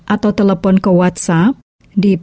atau telepon ke whatsapp